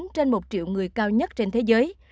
trên một triệu người cao nhất trên thế giới